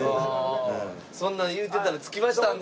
そんなん言うてたら着きましたので。